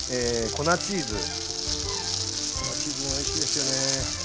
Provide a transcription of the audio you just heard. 粉チーズもおいしいですよね。